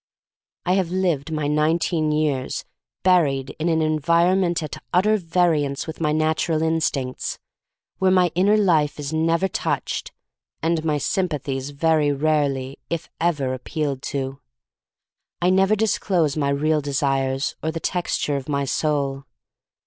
I have lived my nineteen years buried in an environment at utter variance with my natural instincts, where my inner life is never touched, and my sympathies very rarely, if ever, ap pealed to. I never disclose my real de sires or the texture of my soul.